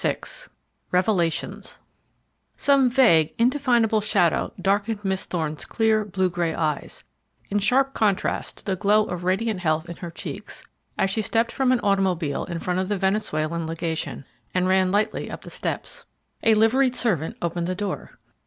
VI REVELATIONS Some vague, indefinable shadow darkened Miss Thorne's clear, blue gray eyes, in sharp contrast to the glow of radiant health in her cheeks, as she stepped from an automobile in front of the Venezuelan legation, and ran lightly up the steps. A liveried servant opened the door.